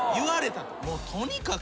もうとにかく。